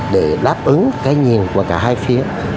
để đáp ứng cái nhìn của cả hai phía